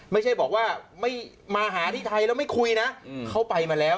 ไม่ใช่บอกว่าไม่มาหาที่ไทยแล้วไม่คุยนะเขาไปมาแล้ว